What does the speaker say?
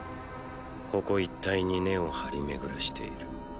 ここ一帯に根を張り巡らしている。